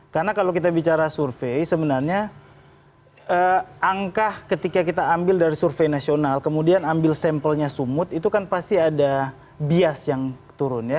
karena kalau kita bicara survei sebenarnya angka ketika kita ambil dari survei nasional kemudian ambil sampelnya sumut itu kan pasti ada bias yang turun ya